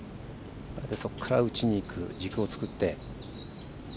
そこから打ちにいく、軸を作って。